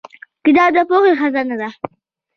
• کتاب د پوهې خزانه ده.